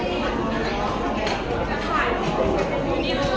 ที่เจนนี่ของกล้องนี้นะคะ